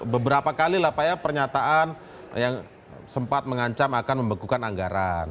beberapa kali lah pak ya pernyataan yang sempat mengancam akan membekukan anggaran